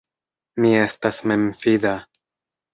Mi estas memfida.